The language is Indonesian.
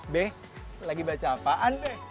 beh lagi baca apaan deh